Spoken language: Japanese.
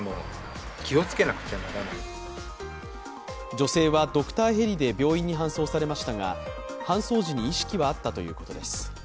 女性はドクターヘリで病院に搬送されましたが搬送時に意識はあったということです。